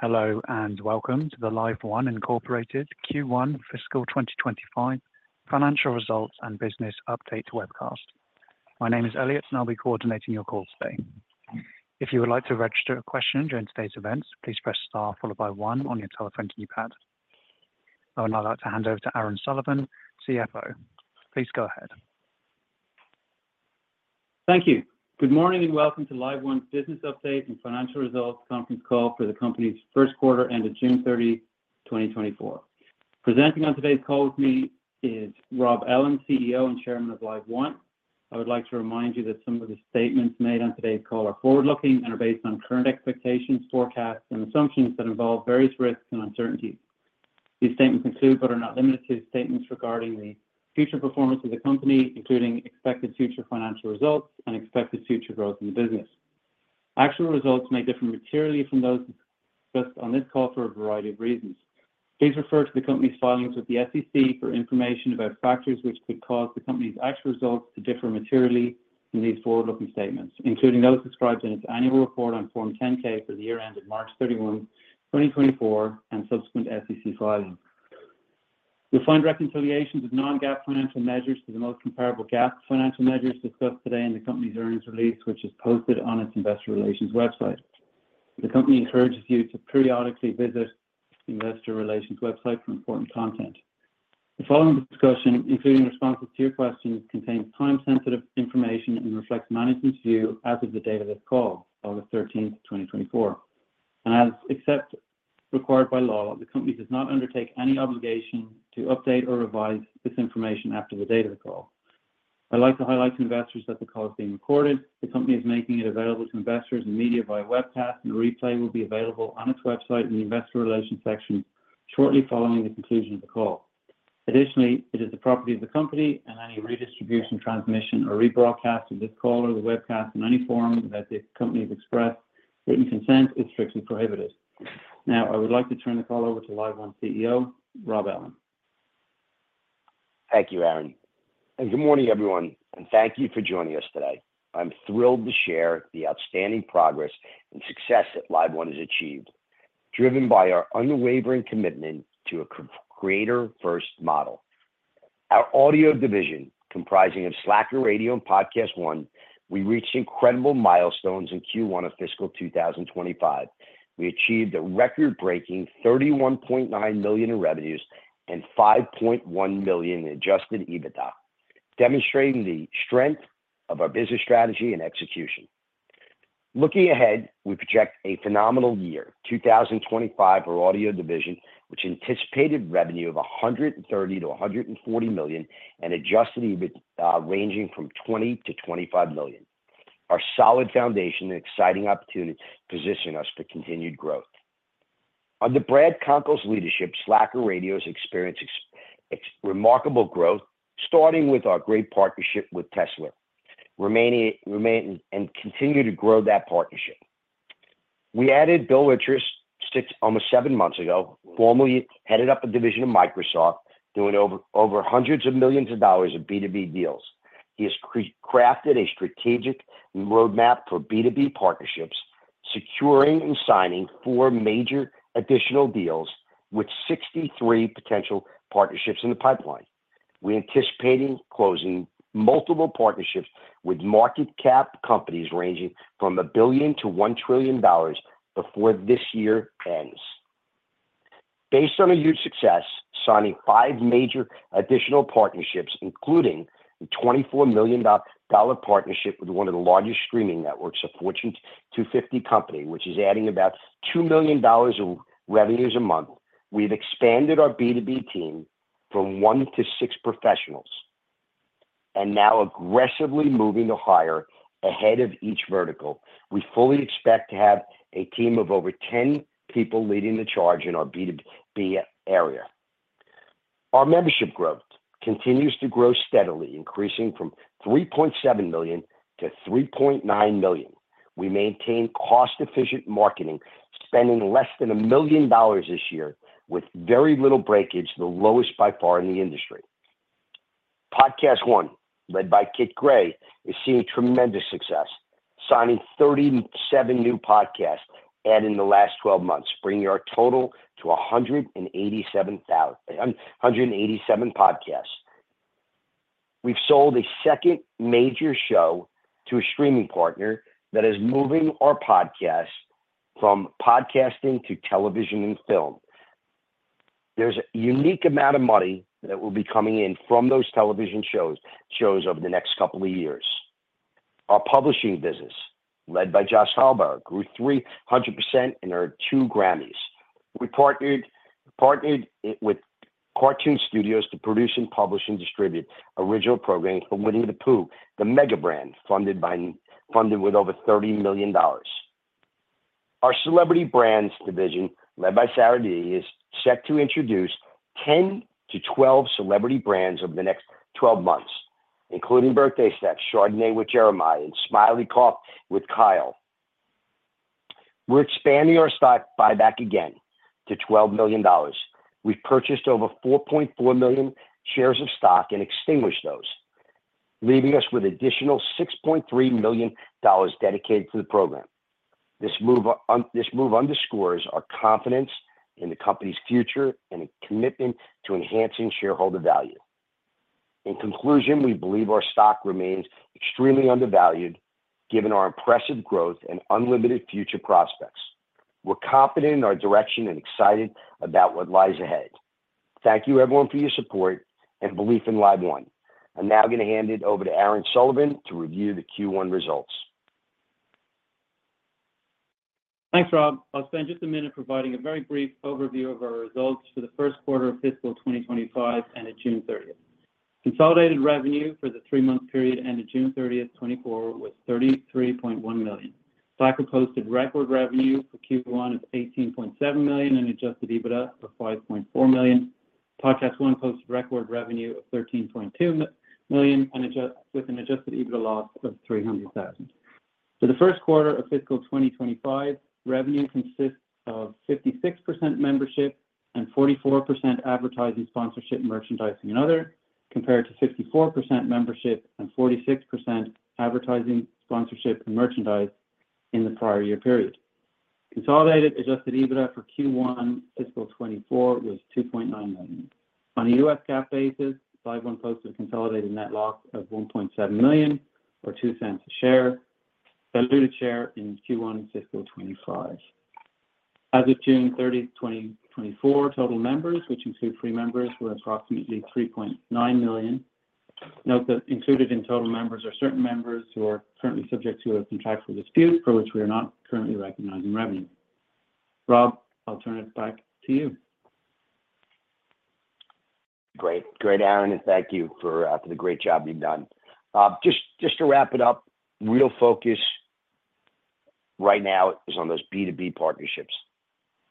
Hello, and welcome to the LiveOne Incorporated Q1 Fiscal 2025 Financial Results and Business Update Webcast. My name is Elliot, and I'll be coordinating your call today. If you would like to register a question during today's events, please press Star followed by one on your telephone keypad. I would now like to hand over to Aaron Sullivan, CFO. Please go ahead. Thank you. Good morning, and welcome to LiveOne's business update and financial results conference call for the company's first quarter ended June 30, 2024. Presenting on today's call with me is Rob Ellin, CEO and Chairman of LiveOne. I would like to remind you that some of the statements made on today's call are forward-looking and are based on current expectations, forecasts, and assumptions that involve various risks and uncertainties. These statements include, but are not limited to, statements regarding the future performance of the company, including expected future financial results and expected future growth in the business. Actual results may differ materially from those discussed on this call for a variety of reasons. Please refer to the company's filings with the SEC for information about factors which could cause the company's actual results to differ materially from these forward-looking statements, including those described in its annual report on Form 10-K for the year ended March 31, 2024, and subsequent SEC filings. You'll find reconciliations of non-GAAP financial measures to the most comparable GAAP financial measures discussed today in the company's earnings release, which is posted on its investor relations website. The company encourages you to periodically visit the investor relations website for important content. The following discussion, including responses to your questions, contains time-sensitive information and reflects management's view as of the date of this call, August 13, 2024. Unless required by law, the company does not undertake any obligation to update or revise this information after the date of the call. I'd like to highlight to investors that the call is being recorded. The company is making it available to investors and media via webcast, and a replay will be available on its website in the Investor Relations section shortly following the conclusion of the call. Additionally, it is the property of the company, and any redistribution, transmission, or rebroadcast of this call or the webcast in any form without the company's express written consent is strictly prohibited. Now, I would like to turn the call over to LiveOne CEO, Rob Ellin. Thank you, Aaron, and good morning, everyone, and thank you for joining us today. I'm thrilled to share the outstanding progress and success that LiveOne has achieved, driven by our unwavering commitment to a creator-first model. Our audio division, comprising of Slacker Radio and PodcastOne, we reached incredible milestones in Q1 of fiscal 2025. We achieved a record-breaking $31.9 million in revenues and $5.1 million in adjusted EBITDA, demonstrating the strength of our business strategy and execution. Looking ahead, we project a phenomenal year, 2025 for our audio division, which anticipated revenue of $130 million-$140 million and adjusted EBIT ranging from $20 million-$25 million. Our solid foundation and exciting opportunities position us for continued growth. Under Brad Conkle's leadership, Slacker Radio has experienced remarkable growth, starting with our great partnership with Tesla, remaining and continue to grow that partnership. We added Bill Richards six, almost seven months ago, formerly headed up a division of Microsoft, doing over hundreds of millions of dollars of B2B deals. He has crafted a strategic roadmap for B2B partnerships, securing and signing four major additional deals with 63 potential partnerships in the pipeline. We're anticipating closing multiple partnerships with market cap companies ranging from $1 billion to $1 trillion before this year ends. Based on a huge success, signing five major additional partnerships, including a $24 million partnership with one of the largest streaming networks, a Fortune 250 company, which is adding about $2 million in revenues a month. We've expanded our B2B team from 1 to 6 professionals and now aggressively moving to hire ahead of each vertical. We fully expect to have a team of over 10 people leading the charge in our B2B area. Our membership growth continues to grow steadily, increasing from 3.7 million to 3.9 million. We maintain cost-efficient marketing, spending less than $1 million this year with very little breakage, the lowest by far in the industry. PodcastOne, led by Kit Gray, is seeing tremendous success, signing 37 new podcasts and in the last 12 months, bringing our total to 187,000... 187 podcasts. We've sold a second major show to a streaming partner that is moving our podcast from podcasting to television and film. There's a unique amount of money that will be coming in from those television shows over the next couple of years. Our publishing business, led by Josh Hallbauer, grew 300% and earned two Grammys. We partnered with Kartoon Studios to produce and publish and distribute original programming for Winnie-the-Pooh, the mega brand, funded with over $30 million. Our celebrity brands division, led by Sarah D., is set to introduce 10-12 celebrity brands over the next 12 months, including Birthday Sex, Chardonnay with Jeremih, and Smyle Coffee with Kyle. We're expanding our stock buyback again to $12 million. We've purchased over 4.4 million shares of stock and extinguished those, leaving us with additional $6.3 million dedicated to the program. This move underscores our confidence in the company's future and a commitment to enhancing shareholder value. In conclusion, we believe our stock remains extremely undervalued, given our impressive growth and unlimited future prospects. We're confident in our direction and excited about what lies ahead. Thank you, everyone, for your support and belief in LiveOne. I'm now gonna hand it over to Aaron Sullivan to review the Q1 results. Thanks, Rob. I'll spend just a minute providing a very brief overview of our results for the first quarter of fiscal 2025 and at June 30, 2024. Consolidated revenue for the three-month period ended June 30, 2024, was $33.1 million. Slacker posted record revenue for Q1 of $18.7 million and Adjusted EBITDA of $5.4 million. PodcastOne posted record revenue of $13.2 million, and with an Adjusted EBITDA loss of $300,000. For the first quarter of fiscal 2025, revenue consists of 56% membership and 44% advertising, sponsorship, and merchandising and other, compared to 54% membership and 46% advertising, sponsorship, and merchandise in the prior year period. Consolidated Adjusted EBITDA for Q1, fiscal 2024 was $2.9 million. On a U.S. GAAP basis, LiveOne posted a consolidated net loss of $1.7 million, or $0.02 per diluted share in Q1 of fiscal 2025. As of June 30, 2024, total members, which include free members, were approximately 3.9 million. Note that included in total members are certain members who are currently subject to a contractual dispute for which we are not currently recognizing revenue. Rob, I'll turn it back to you. Great. Great, Aaron, and thank you for, for the great job you've done. Just, just to wrap it up, real focus right now is on those B2B partnerships.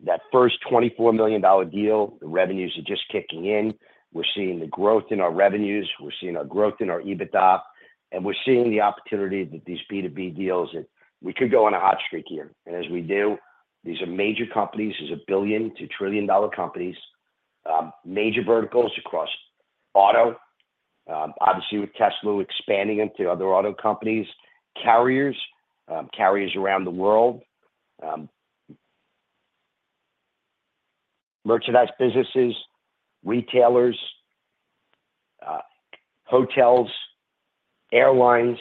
That first $24 million deal, the revenues are just kicking in. We're seeing the growth in our revenues, we're seeing our growth in our EBITDA, and we're seeing the opportunity that these B2B deals, and we could go on a hot streak here. And as we do, these are major companies. These are $1 billion-$1 trillion companies, major verticals across auto, obviously with Tesla expanding into other auto companies, carriers, carriers around the world, merchandise businesses, retailers, hotels, airlines.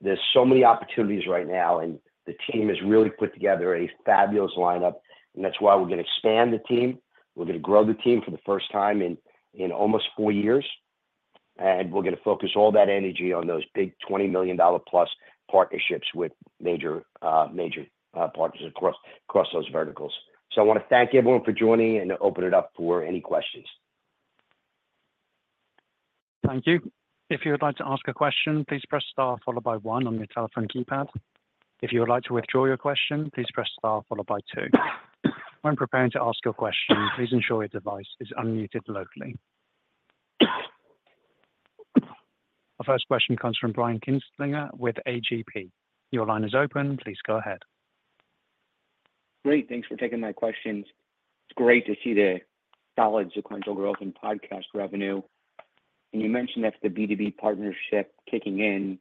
There's so many opportunities right now, and the team has really put together a fabulous lineup, and that's why we're gonna expand the team. We're gonna grow the team for the first time in almost four years, and we're gonna focus all that energy on those big $20 million+ partnerships with major partners across those verticals. So I wanna thank everyone for joining and open it up for any questions. Thank you. If you would like to ask a question, please press star followed by one on your telephone keypad. If you would like to withdraw your question, please press star followed by two. When preparing to ask your question, please ensure your device is unmuted locally. Our first question comes from Brian Kinstlinger with AGP. Your line is open. Please go ahead. Great, thanks for taking my questions. It's great to see the solid sequential growth in podcast revenue. And you mentioned that the B2B partnership kicking in,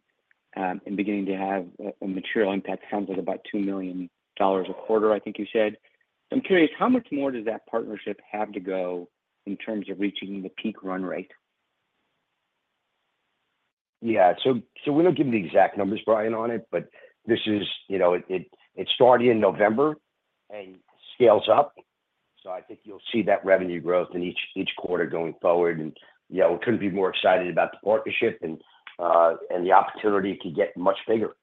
and beginning to have a material impact, sounds at about $2 million a quarter, I think you said. I'm curious, how much more does that partnership have to go in terms of reaching the peak run rate? Yeah. So we don't give the exact numbers, Brian, on it, but this is, you know, it started in November and scales up. So I think you'll see that revenue growth in each quarter going forward, and, you know, we couldn't be more excited about the partnership and the opportunity to get much bigger,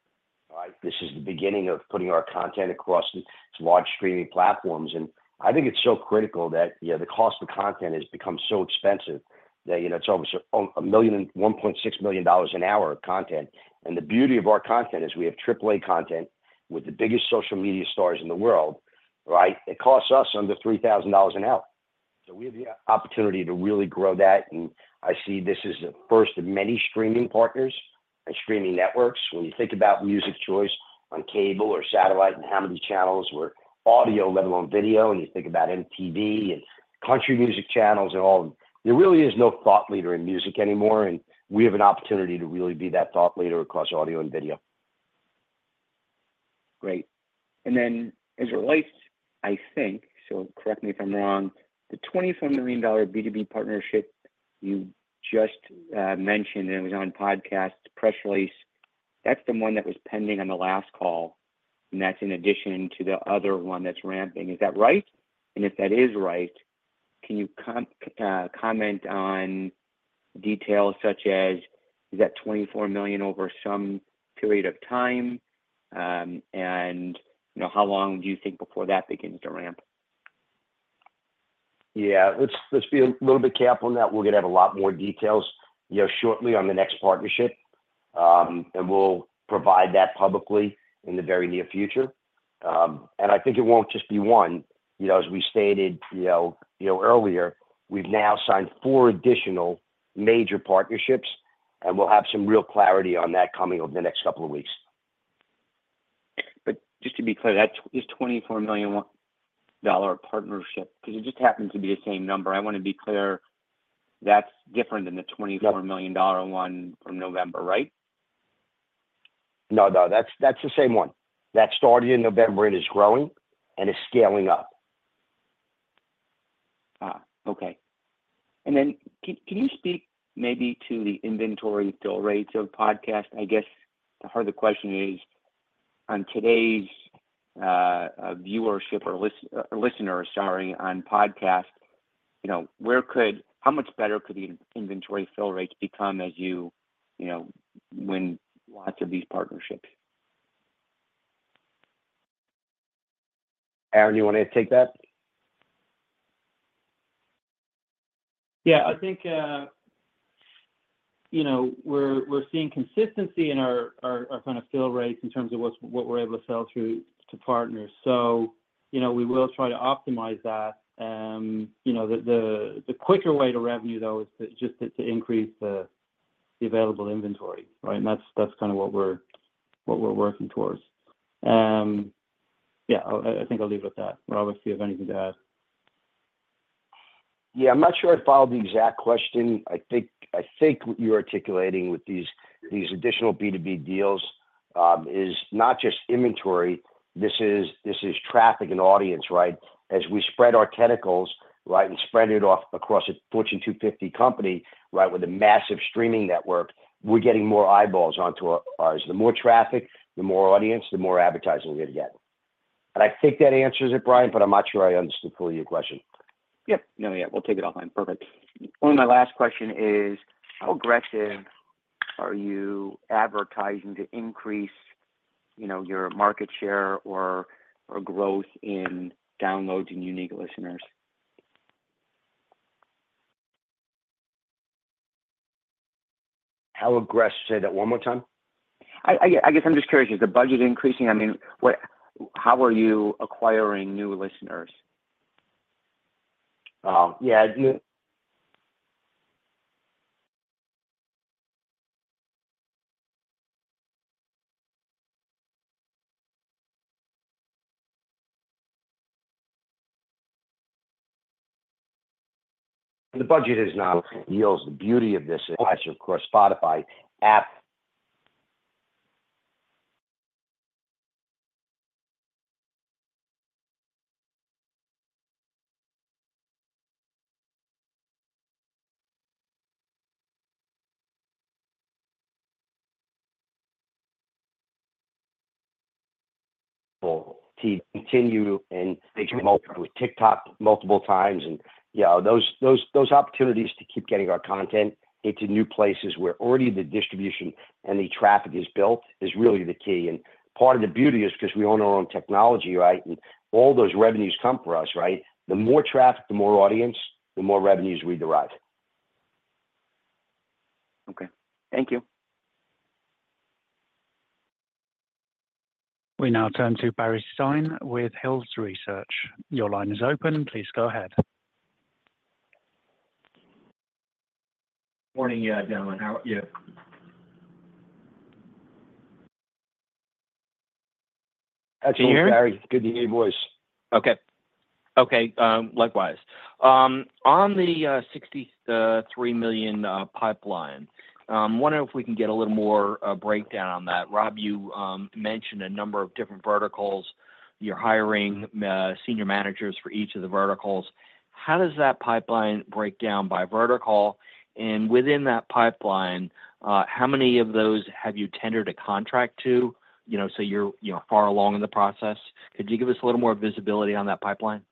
right? This is the beginning of putting our content across its large streaming platforms, and I think it's so critical that, you know, the cost of content has become so expensive that, you know, it's almost a $1 million and $1.6 million an hour of content. And the beauty of our content is we have AAA content with the biggest social media stars in the world, right? It costs us under $3,000 an hour. So we have the opportunity to really grow that, and I see this as the first of many streaming partners and streaming networks. When you think about music choice on cable or satellite, and how many channels were audio, let alone video, and you think about MTV and country music channels and all, there really is no thought leader in music anymore, and we have an opportunity to really be that thought leader across audio and video. Great. Then as it relates, I think, so correct me if I'm wrong, the $24 million B2B partnership you just mentioned, and it was on podcast press release, that's the one that was pending on the last call, and that's in addition to the other one that's ramping. Is that right? And if that is right, can you comment on details such as, is that $24 million over some period of time? And you know, how long do you think before that begins to ramp? Yeah. Let's be a little bit careful on that. We're gonna have a lot more details, you know, shortly on the next partnership, and we'll provide that publicly in the very near future. And I think it won't just be one, you know, as we stated, you know, earlier, we've now signed four additional major partnerships, and we'll have some real clarity on that coming over the next couple of weeks. ... But just to be clear, that is $24 million partnership, because it just happened to be the same number. I want to be clear, that's different than the twenty-four- Yep $1 million one from November, right? No, no, that's, that's the same one. That started in November, it is growing and it's scaling up. Ah, okay. And then, can you speak maybe to the inventory fill rates of podcast? I guess the heart of the question is, on today's viewership or listeners, sorry, on podcast, you know, where could how much better could the inventory fill rates become as you, you know, win lots of these partnerships? Aaron, you want to take that? Yeah, I think, you know, we're seeing consistency in our kind of fill rates in terms of what we're able to sell through to partners. So, you know, we will try to optimize that. You know, the quicker way to revenue, though, is to just increase the available inventory, right? And that's kinda what we're working towards. Yeah, I think I'll leave it with that. Rob, if you have anything to add. Yeah, I'm not sure I followed the exact question. I think, I think what you're articulating with these, these additional B2B deals, is not just inventory, this is, this is traffic and audience, right? As we spread our tentacles, right, and spread it off across a Fortune 250 company, right, with a massive streaming network, we're getting more eyeballs onto our, ours. The more traffic, the more audience, the more advertising we're gonna get. And I think that answers it, Brian, but I'm not sure I understood fully your question. Yep. No, yeah, we'll take it offline. Perfect. Only my last question is, how aggressive are you advertising to increase, you know, your market share or, or growth in downloads and unique listeners? How aggressive? Say that one more time. I guess I'm just curious, is the budget increasing? I mean, what, how are you acquiring new listeners? Yeah, the budget is not yields. The beauty of this, of course, Spotify app. Will to continue and with TikTok multiple times, and, you know, those opportunities to keep getting our content into new places, where already the distribution and the traffic is built, is really the key. And part of the beauty is 'cause we own our own technology, right? And all those revenues come for us, right? The more traffic, the more audience, the more revenues we derive. Okay. Thank you. We now turn to Barry Sine with Hills Research. Your line is open. Please go ahead. Morning, yeah, gentlemen. How are you? Absolutely, Barry. Can you hear me? Good to hear your voice. Okay. Okay, likewise. On the $63 million pipeline, I wonder if we can get a little more breakdown on that. Rob, you mentioned a number of different verticals. You're hiring senior managers for each of the verticals. How does that pipeline break down by vertical? And within that pipeline, how many of those have you tendered a contract to, you know, so you're, you know, far along in the process? Could you give us a little more visibility on that pipeline?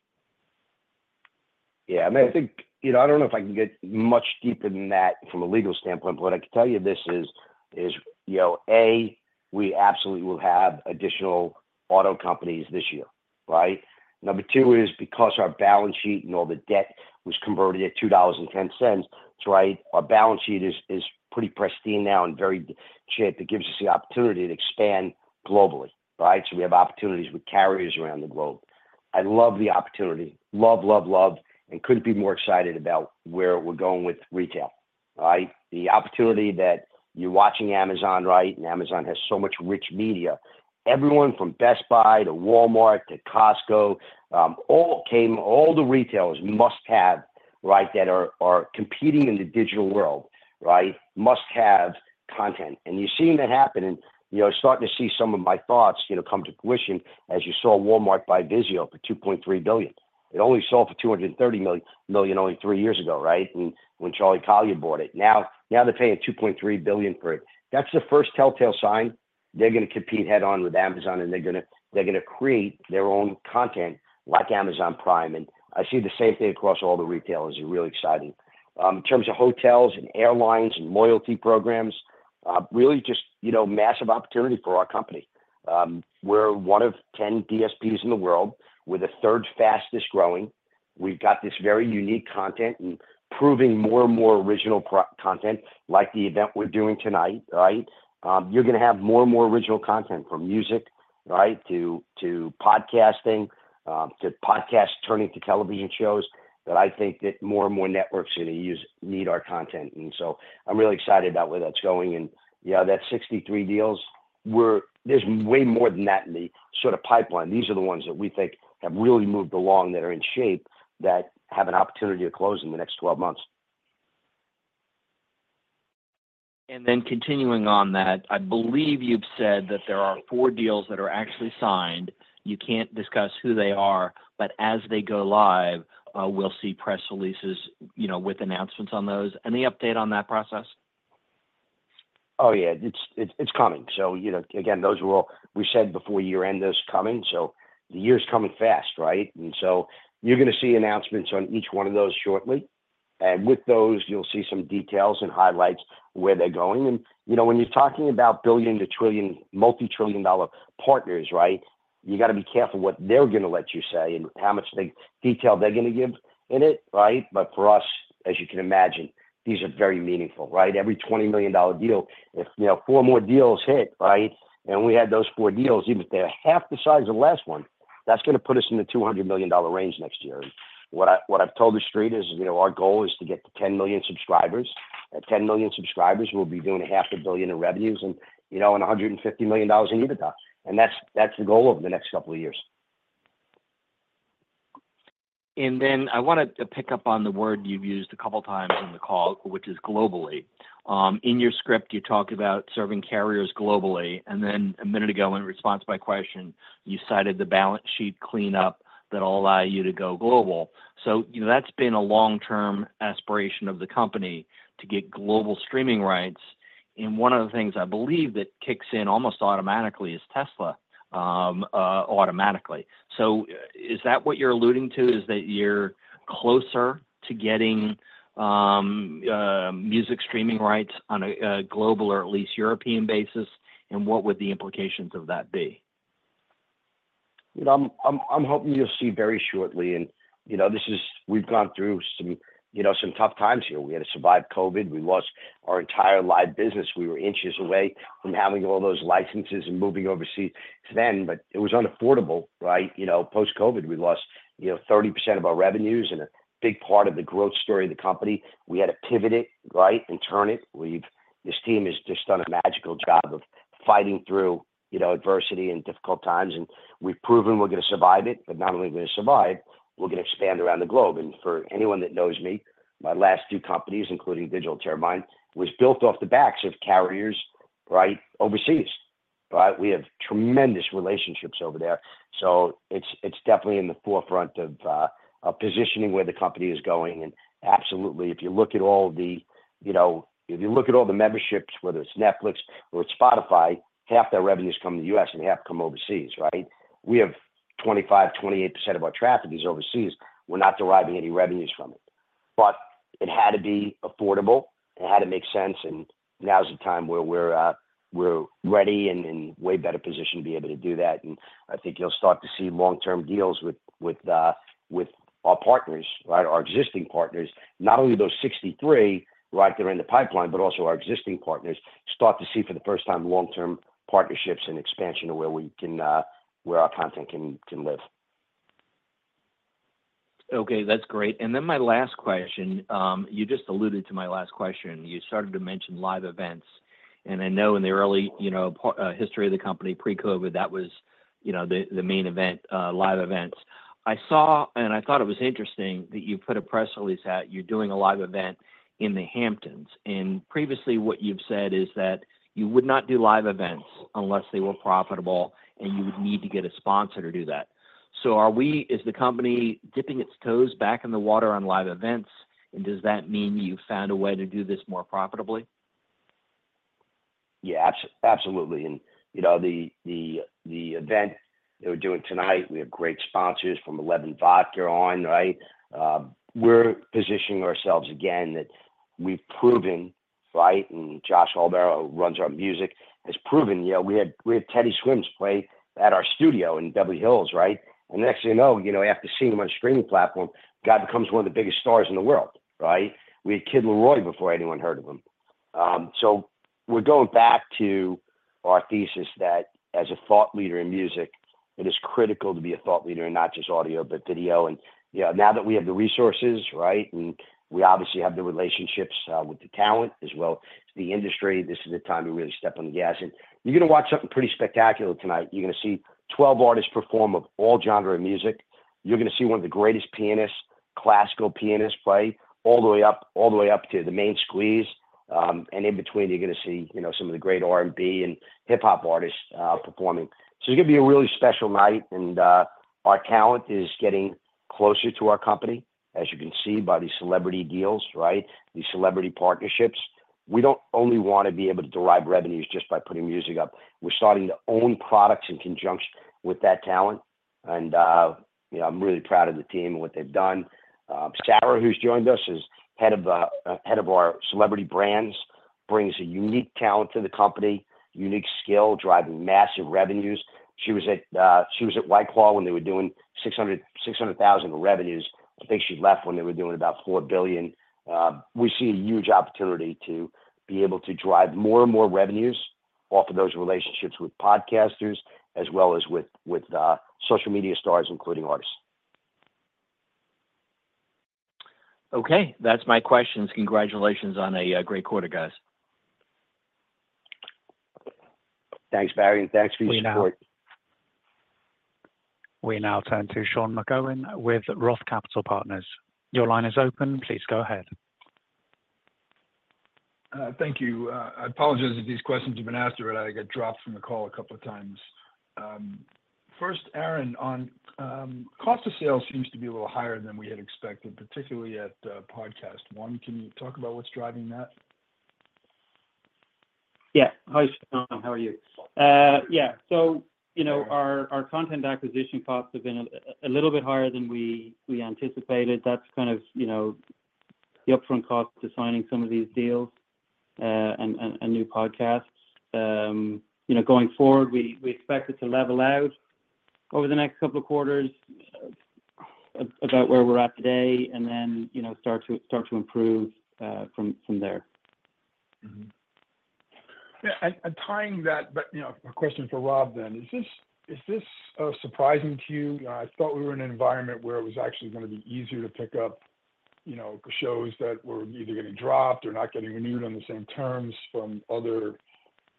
Yeah, I mean, I think, you know, I don't know if I can get much deeper than that from a legal standpoint, but what I can tell you this is, is, you know, A, we absolutely will have additional auto companies this year, right? Number two is because our balance sheet and all the debt was converted at $2.10, right? Our balance sheet is, is pretty pristine now and very cheap. It gives us the opportunity to expand globally, right? So we have opportunities with carriers around the globe. I love the opportunity. Love, love, love, and couldn't be more excited about where we're going with retail, right? The opportunity that you're watching Amazon, right? And Amazon has so much rich media. Everyone from Best Buy to Walmart to Costco, all came, all the retailers must have, right, that are competing in the digital world, right? Must have content. And you're seeing that happen, and, you know, starting to see some of my thoughts, you know, come to fruition as you saw Walmart buy Vizio for $2.3 billion. It only sold for $230 million only three years ago, right? When Charlie Collier bought it. Now they're paying $2.3 billion for it. That's the first telltale sign they're gonna compete head on with Amazon, and they're gonna create their own content like Amazon Prime. And I see the same thing across all the retailers, really exciting. In terms of hotels and airlines and loyalty programs, really just, you know, massive opportunity for our company. We're one of 10 DSPs in the world. We're the third fastest growing. We've got this very unique content and proving more and more original content, like the event we're doing tonight, right? You're gonna have more and more original content from music, right, to podcasting, to podcasts turning to television shows, that I think that more and more networks are going to use, need our content. And so I'm really excited about where that's going. And, yeah, that 63 deals, we're, there's way more than that in the sort of pipeline. These are the ones that we think have really moved along, that are in shape, that have an opportunity to close in the next 12 months. Then continuing on that, I believe you've said that there are 4 deals that are actually signed. You can't discuss who they are, but as they go live, we'll see press releases, you know, with announcements on those. Any update on that process? Oh, yeah, it's coming. So, you know, again, those will... We said before year-end, that's coming, so the year is coming fast, right? And so you're going to see announcements on each one of those shortly. And, you know, when you're talking about billion to trillion, multi-trillion dollar partners, right? You got to be careful what they're going to let you say and how much the detail they're going to give in it, right? But for us, as you can imagine, these are very meaningful, right? Every $20 million deal, if, you know, four more deals hit, right, and we had those four deals, even if they're half the size of the last one, that's going to put us in the $200 million range next year. What I've told the Street is, you know, our goal is to get to 10 million subscribers. At 10 million subscribers, we'll be doing $500 million in revenues and, you know, $150 million in EBITDA. And that's the goal over the next couple of years. And then I wanted to pick up on the word you've used a couple times on the call, which is globally. In your script, you talk about serving carriers globally, and then a minute ago, in response to my question, you cited the balance sheet cleanup that will allow you to go global. So that's been a long-term aspiration of the company to get global streaming rights. And one of the things I believe that kicks in almost automatically is Tesla, automatically. So is that what you're alluding to, is that you're closer to getting, music streaming rights on a, a global or at least European basis? And what would the implications of that be? You know, I'm hoping you'll see very shortly and, you know, this is—we've gone through some, you know, some tough times here. We had to survive COVID. We lost our entire live business. We were inches away from having all those licenses and moving overseas then, but it was unaffordable, right? You know, post-COVID, we lost, you know, 30% of our revenues and a big part of the growth story of the company. We had to pivot it, right, and turn it. We've—this team has just done a magical job of fighting through, you know, adversity and difficult times, and we've proven we're going to survive it. But not only are we going to survive, we're going to expand around the globe. And for anyone that knows me, my last two companies, including Digital Turbine, was built off the backs of carriers, right, overseas. Right? We have tremendous relationships over there. So it's, it's definitely in the forefront of, of positioning where the company is going. And absolutely, if you look at all the, you know, if you look at all the memberships, whether it's Netflix or it's Spotify, half their revenues come in the U.S., and half come overseas, right? We have 25-28% of our traffic is overseas. We're not deriving any revenues from it. But it had to be affordable, it had to make sense, and now is the time where we're, we're ready and in way better position to be able to do that. And I think you'll start to see long-term deals with, with, with our partners, right? Our existing partners. Not only those 63, right there in the pipeline, but also our existing partners start to see for the first time long-term partnerships and expansion of where our content can live. Okay, that's great. And then my last question, you just alluded to my last question. You started to mention live events, and I know in the early, you know, part, history of the company, pre-COVID, that was, you know, the main event, live events. I saw, and I thought it was interesting that you put a press release out, you're doing a live event in the Hamptons. And previously, what you've said is that you would not do live events unless they were profitable and you would need to get a sponsor to do that. So are we, as the company, dipping its toes back in the water on live events, and does that mean you've found a way to do this more profitably? Yeah, absolutely. And, you know, the event that we're doing tonight, we have great sponsors from E11EVEN Vodka on, right? We're positioning ourselves again that we've proven, right, and Josh Hallbauer, who runs our music, has proven, you know, we had Teddy Swims play at our studio in Beverly Hills, right? And the next thing you know, you know, after seeing him on a streaming platform, the guy becomes one of the biggest stars in the world, right? We had the Kid LAROI before anyone heard of him. So we're going back to our thesis that as a thought leader in music, it is critical to be a thought leader in not just audio, but video. You know, now that we have the resources, right, and we obviously have the relationships with the talent as well as the industry, this is the time to really step on the gas. You're going to watch something pretty spectacular tonight. You're going to see 12 artists perform of all genre of music. You're going to see one of the greatest pianists, classical pianists, play all the way up, all the way up to the Main Squeeze. In between, you're going to see, you know, some of the great R&B and hip hop artists performing. It's going to be a really special night, and our talent is getting closer to our company, as you can see by these celebrity deals, right? These celebrity partnerships. We don't only want to be able to derive revenues just by putting music up. We're starting to own products in conjunction with that talent. You know, I'm really proud of the team and what they've done. Sarah, who's joined us, is head of our celebrity brands, brings a unique talent to the company, unique skill, driving massive revenues. She was at White Claw when they were doing $600,000 in revenues. I think she left when they were doing about $4 billion. We see a huge opportunity to be able to drive more and more revenues off of those relationships with podcasters, as well as with social media stars, including artists. Okay, that's my questions. Congratulations on a great quarter, guys. Thanks, Barry, and thanks for your support. We now turn to Sean McGowan with Roth Capital Partners. Your line is open, please go ahead. Thank you. I apologize if these questions have been asked, but I got dropped from the call a couple of times. First, Aaron, on cost of sales seems to be a little higher than we had expected, particularly at PodcastOne. Can you talk about what's driving that? Yeah. Hi, Sean, how are you? Yeah, so, you know, our content acquisition costs have been a little bit higher than we anticipated. That's kind of, you know, the upfront cost to signing some of these deals and new podcasts. You know, going forward, we expect it to level out over the next couple of quarters, about where we're at today, and then, you know, start to improve from there. Mm-hmm. Yeah, and tying that, but you know, a question for Rob then: Is this surprising to you? I thought we were in an environment where it was actually gonna be easier to pick up, you know, shows that were either getting dropped or not getting renewed on the same terms from other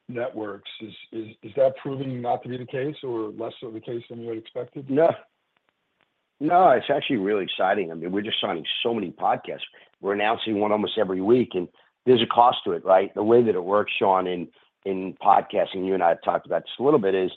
networks. Is that proving not to be the case or less so the case than you had expected? No. No, it's actually really exciting. I mean, we're just signing so many podcasts. We're announcing one almost every week, and there's a cost to it, right? The way that it works, Sean, in podcasting, you and I have talked about this a little bit, is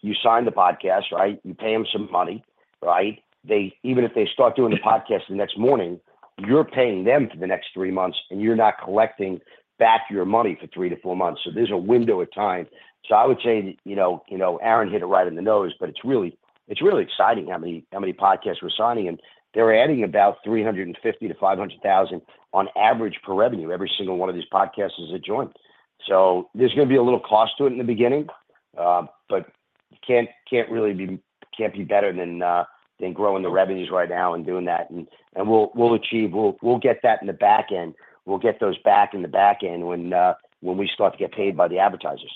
you sign the podcast, right? You pay them some money, right? They even if they start doing the podcast the next morning, you're paying them for the next three months, and you're not collecting back your money for three to four months. So there's a window of time. So I would say that, you know, you know, Aaron hit it right on the nose, but it's really, it's really exciting how many, how many podcasts we're signing. And they're adding about $350,000-$500,000 on average per revenue. Every single one of these podcasts is a joint. So there's gonna be a little cost to it in the beginning, but can't really be better than growing the revenues right now and doing that. And we'll get that in the back end. We'll get those back in the back end when we start to get paid by the advertisers.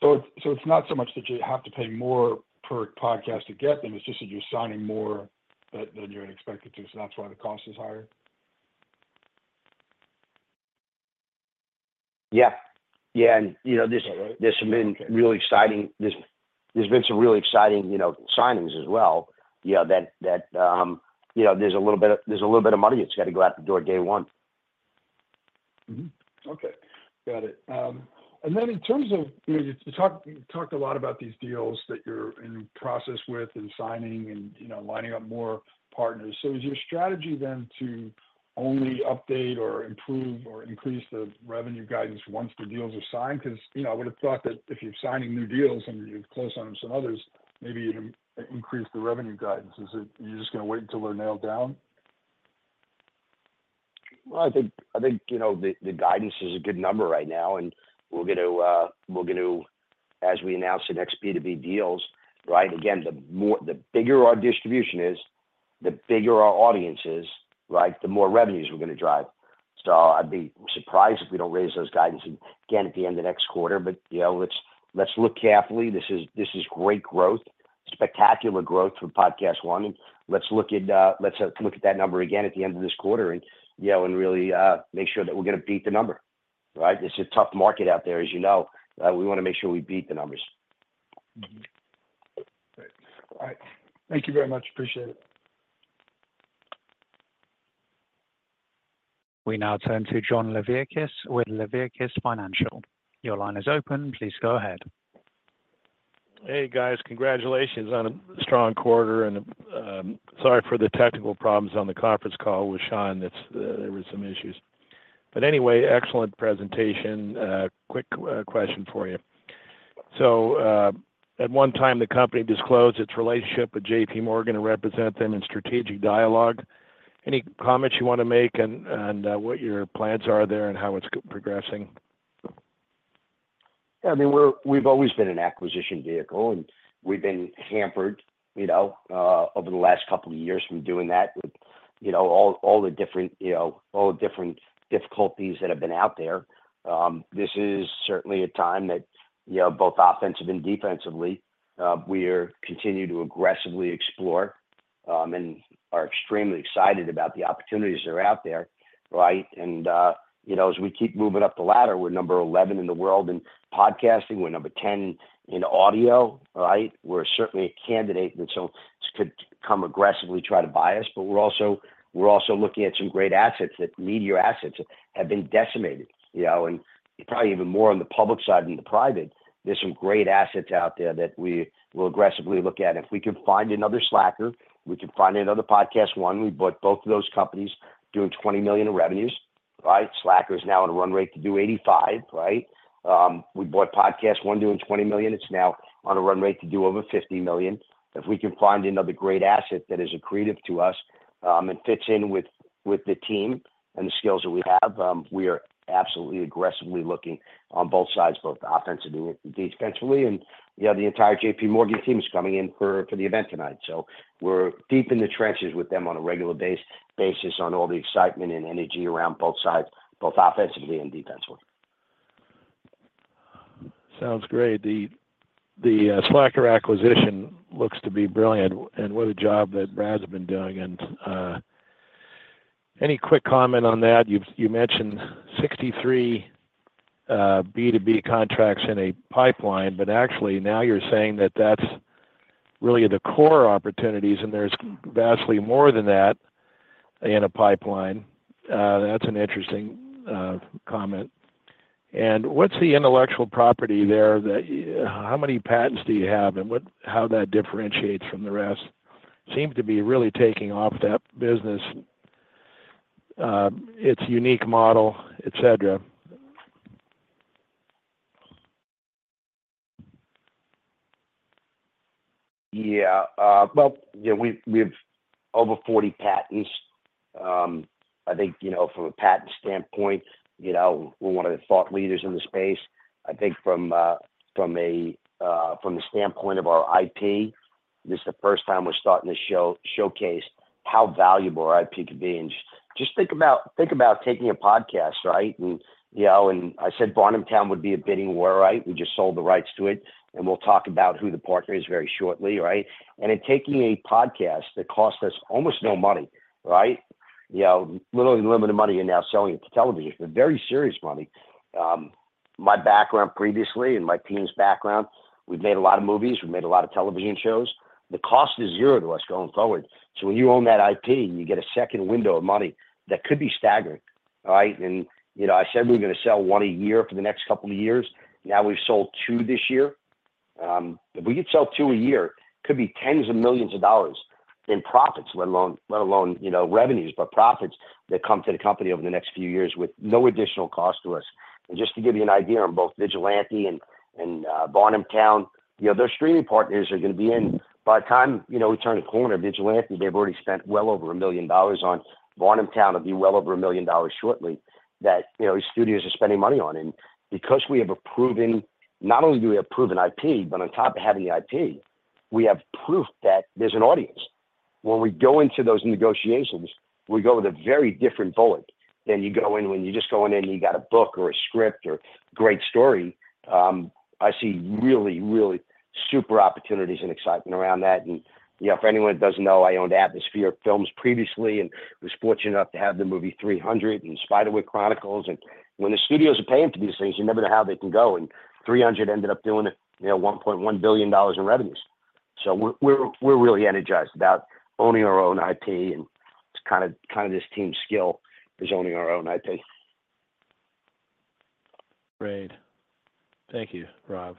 So it's not so much that you have to pay more per podcast to get them, it's just that you're signing more than you had expected to, so that's why the cost is higher? Yeah. Yeah, and, you know, there's- Okay. There's been some really exciting, you know, signings as well. Yeah, you know, there's a little bit of money that's got to go out the door day one. Mm-hmm. Okay, got it. And then in terms of, you know, you talked, you talked a lot about these deals that you're in the process with and signing and, you know, lining up more partners. So is your strategy then to only update or improve or increase the revenue guidance once the deals are signed? Because, you know, I would have thought that if you're signing new deals and you've closed on some others, maybe you'd increase the revenue guidance. Is it you're just gonna wait until they're nailed down? Well, I think you know, the guidance is a good number right now, and we're going to... As we announce the next B2B deals, right, again, the more, the bigger our distribution is, the bigger our audience is, right, the more revenues we're gonna drive. So I'd be surprised if we don't raise those guidance again at the end of next quarter, but you know, let's look carefully. This is great growth, spectacular growth for PodcastOne, and let's look at that number again at the end of this quarter and you know, and really make sure that we're gonna beat the number. Right? It's a tough market out there, as you know. We wanna make sure we beat the numbers. Mm-hmm. Thanks. All right. Thank you very much. Appreciate it. We now turn to John Livirakis with Livirakis Financial. Your line is open. Please go ahead. Hey, guys. Congratulations on a strong quarter and, sorry for the technical problems on the conference call with Sean. That's, there were some issues. But anyway, excellent presentation. Quick question for you. So, at one time, the company disclosed its relationship with JPMorgan to represent them in strategic dialogue. Any comments you wanna make on, on, what your plans are there and how it's progressing? Yeah, I mean, we've always been an acquisition vehicle, and we've been hampered, you know, over the last couple of years from doing that. With, you know, all the different difficulties that have been out there. This is certainly a time that, you know, both offensively and defensively, we're continuing to aggressively explore, and are extremely excited about the opportunities that are out there, right? And, you know, as we keep moving up the ladder, we're number 11 in the world in podcasting. We're number 10 in audio, right? We're certainly a candidate, and so could come aggressively try to buy us, but we're also looking at some great assets, that media assets have been decimated, you know, and probably even more on the public side than the private. There's some great assets out there that we will aggressively look at. If we can find another Slacker, we can find another PodcastOne, we bought both of those companies doing $20 million in revenues, right? Slacker is now at a run rate to do $85 million, right? We bought PodcastOne doing $20 million. It's now on a run rate to do over $50 million. If we can find another great asset that is accretive to us and fits in with, with the team and the skills that we have. We are absolutely aggressively looking on both sides, both offensively and defensively, and, you know, the entire JPMorgan team is coming in for, for the event tonight. So we're deep in the trenches with them on a regular basis, on all the excitement and energy around both sides, both offensively and defensively. Sounds great. The Slacker acquisition looks to be brilliant, and what a job that Brad's been doing, and any quick comment on that? You mentioned 63 B2B contracts in a pipeline, but actually, now you're saying that that's really the core opportunities, and there's vastly more than that in a pipeline. That's an interesting comment. And what's the intellectual property there that... How many patents do you have, and what- how that differentiates from the rest? Seems to be really taking off that business, its unique model, et cetera. Yeah, well, yeah, we've over 40 patents. I think, you know, from a patent standpoint, you know, we're one of the thought leaders in the space. I think from, from a, from the standpoint of our IP, this is the first time we're starting to showcase how valuable our IP could be. And just, just think about, think about taking a podcast, right? And, you know, and I said Varnamtown would be a bidding war, right? We just sold the rights to it, and we'll talk about who the partner is very shortly, right? And in taking a podcast, that cost us almost no money, right? You know, literally limited money and now selling it to television. They're very serious money. My background previously and my team's background, we've made a lot of movies, we've made a lot of television shows. The cost is zero to us going forward. So when you own that IP, and you get a second window of money, that could be staggering, right? And, you know, I said we're gonna sell one a year for the next couple of years. Now, we've sold two this year. If we could sell two a year, could be tens of millions of dollars in profits, let alone, let alone, you know, revenues, but profits that come to the company over the next few years with no additional cost to us. And just to give you an idea on both Vigilante and Varnamtown, you know, their streaming partners are gonna be in. By the time, you know, we turn the corner, Vigilante, they've already spent well over $1 million on. Varnamtown will be well over $1 million shortly, that, you know, these studios are spending money on. And because we have a proven... Not only do we have proven IP, but on top of having the IP, we have proof that there's an audience. When we go into those negotiations, we go with a very different bullet than you go in when you're just going in and you got a book or a script or great story. I see really, really super opportunities and excitement around that. And, you know, for anyone that doesn't know, I owned Atmosphere Films previously and was fortunate enough to have the movie 300 and Spiderwick Chronicles. And when the studios are paying for these things, you never know how they can go, and 300 ended up doing, you know, $1.1 billion in revenues. So we're really energized about owning our own IP, and it's kinda this team's skill, is owning our own IP. Great. Thank you, Rob.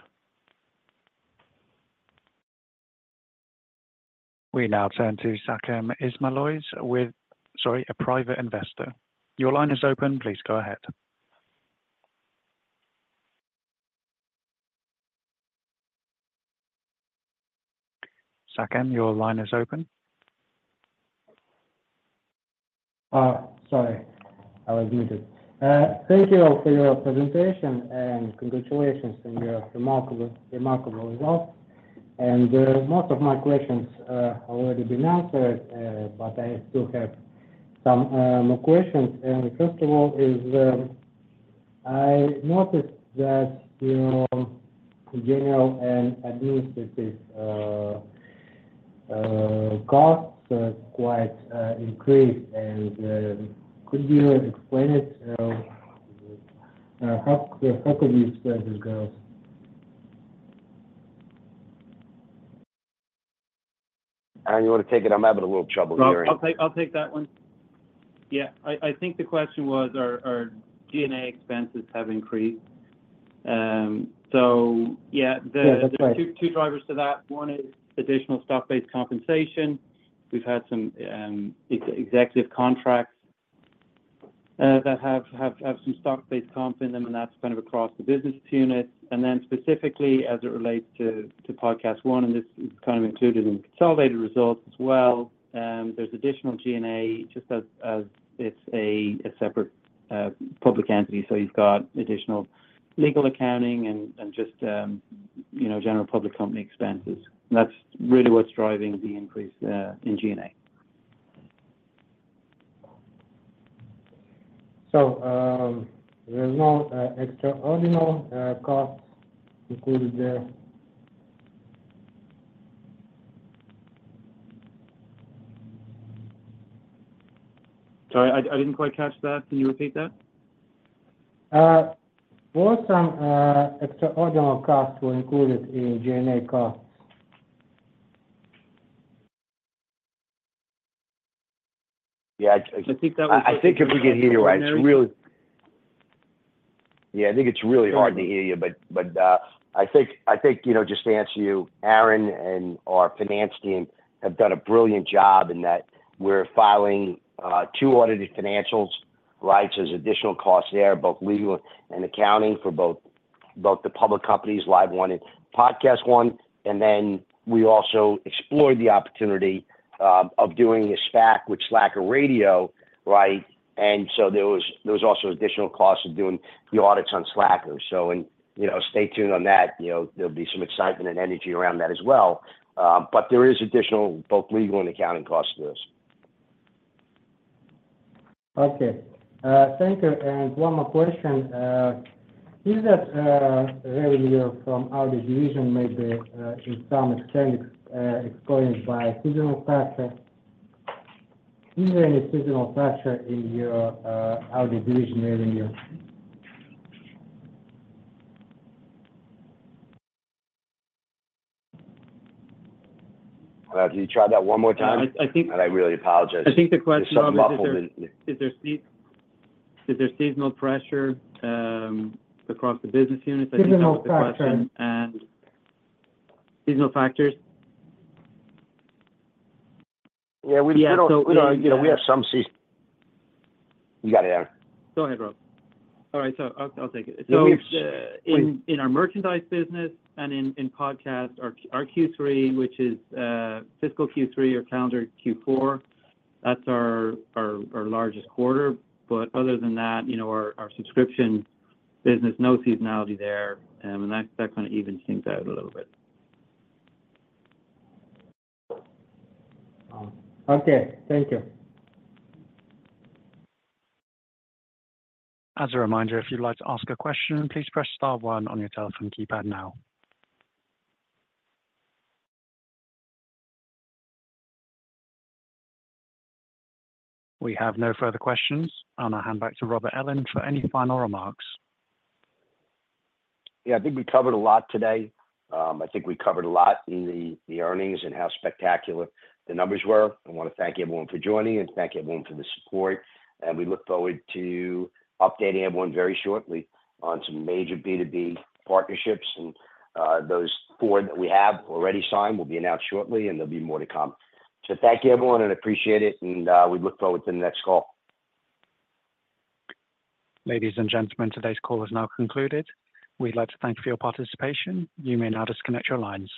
We now turn to Saken Ismailov. Sorry, a private investor. Your line is open. Please go ahead. Saken, your line is open. Sorry, I was muted. Thank you all for your presentation, and congratulations on your remarkable, remarkable results. Most of my questions already been answered, but I still have some questions. First of all, I noticed that your general and administrative costs are quite increased. Could you explain it? How could you spend those costs? Aaron, you want to take it? I'm having a little trouble hearing. I'll take that one. Yeah, I think the question was, our G&A expenses have increased? So yeah, the- Yeah, that's right. Two drivers to that. One is additional stock-based compensation. We've had some ex-executive contracts that have some stock-based comp in them, and that's kind of across the business unit. And then specifically, as it relates to PodcastOne, and this is kind of included in consolidated results as well, there's additional G&A just as it's a separate public entity, so you've got additional legal, accounting, and just you know general public company expenses. That's really what's driving the increase in G&A. So, there's no extraordinary costs included there? Sorry, I didn't quite catch that. Can you repeat that? Were some extraordinary costs included in G&A costs? Yeah, I- I think that was- I think if we can hear you right, it's really... Yeah, I think it's really hard to hear you, but, you know, just to answer you, Aaron and our finance team have done a brilliant job in that we're filing two audited financials, right? So there's additional costs there, both legal and accounting for both the public companies, LiveOne and PodcastOne, and then we also explored the opportunity of doing a SPAC with Slacker Radio, right? And so there was also additional costs of doing the audits on Slacker. So, you know, stay tuned on that, you know, there'll be some excitement and energy around that as well. But there is additional both legal and accounting costs to this. Okay. Thank you. And one more question. Is that revenue from audio division maybe in some extent explained by seasonal factor? Is there any seasonal factor in your audio division revenue? Can you try that one more time? I think- I really apologize. I think the question- It's so muffled in here. Is there seasonal pressure across the business units? Seasonal factor. I think that was the question. And... Seasonal factors? Yeah, we don't... You know, we have some sea-- You got it, Aaron. Go ahead, Rob. All right, so I'll take it. Let me- So, in our merchandise business and in podcast, our Q3, which is fiscal Q3 or calendar Q4, that's our largest quarter. But other than that, you know, our subscription business, no seasonality there, and that kind of even things out a little bit. Okay. Thank you. As a reminder, if you'd like to ask a question, please press star one on your telephone keypad now. We have no further questions. I'm going to hand back to Robert Ellin for any final remarks. Yeah, I think we covered a lot today. I think we covered a lot in the earnings and how spectacular the numbers were. I want to thank everyone for joining and thank everyone for the support. We look forward to updating everyone very shortly on some major B2B partnerships. Those 4 that we have already signed will be announced shortly, and there'll be more to come. So thank you, everyone, and appreciate it, and we look forward to the next call. Ladies and gentlemen, today's call is now concluded. We'd like to thank you for your participation. You may now disconnect your lines.